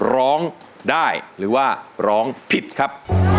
ร้องได้หรือว่าร้องผิดครับ